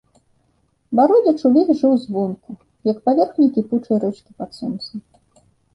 Бародзіч увесь жыў звонку, як паверхня кіпучай рэчкі пад сонцам.